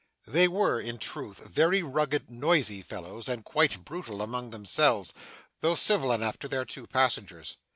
They were, in truth, very rugged, noisy fellows, and quite brutal among themselves, though civil enough to their two passengers.